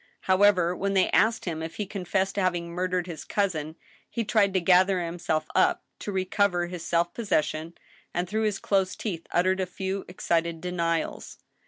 ' However, when they asked him if he confessed to having murdered his cousin, he tried to gather himself up, to recover his self possession, and through his closed teeth uttered a few excited denials.